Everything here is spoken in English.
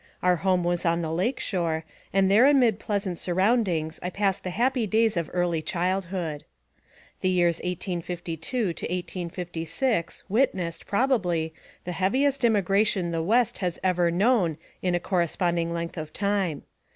Our home was on the lake shore, and there amid pleasant sur roundings I passed the happy days of early childhood. The years 1852 to 1856 witnessed, probably, the heavest immigration the West has ever known in a corresponding length of time.